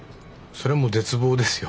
そりゃもう絶望ですよ。